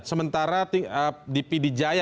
sementara di pidi jaya